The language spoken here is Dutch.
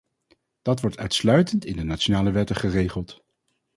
Dat wordt uitsluitend in de nationale wetten geregeld.